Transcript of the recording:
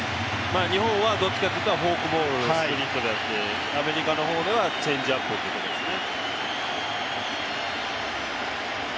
日本はどっちかというとフォークボールやスプリットでアメリカの方ではチェンジアップということですよね。